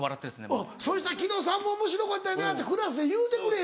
うんそしたら「昨日さんまおもしろかったよな」ってクラスで言うてくれよ。